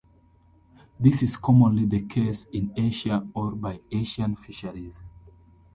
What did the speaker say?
This is commonly the case in Asia or by Asian fisheries.